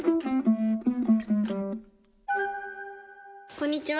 こんにちは。